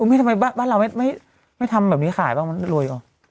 เอ้ยทำไมบ้านเราไม่ทำแบบนี้ขายตลอดมันรวยออก